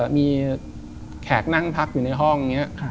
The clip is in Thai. มีแขกนั่งพักอยู่ในห้อง